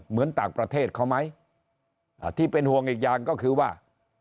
เหมือนต่างประเทศเขาไหมที่เป็นห่วงอีกอย่างก็คือว่า